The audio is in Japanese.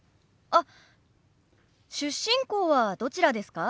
あっ出身校はどちらですか？